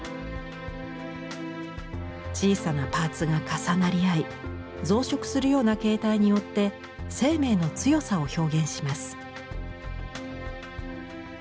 小さなパーツが重なり合い増殖するような形態によって生命の強さを表現します。